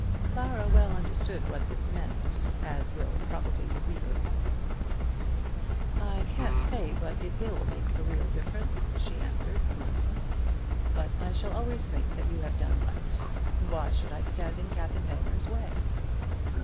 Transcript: Clara well understood what this meant, as will, probably, the reader also. "I can't say but what it will make a difference," she answered, smiling; "but I shall always think that you have done right. Why should I stand in Captain Aylmer's way?"